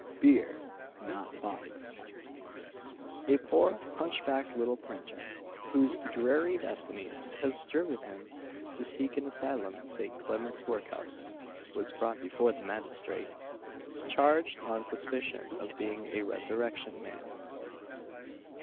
BEER NOT BODIES. A poor hunchback'd little printer, whose dreary destinies have driven him to seek an asylum in St. Clement's workhouse, was brought before the magistrate, charged on suspicion of being a resurrection man.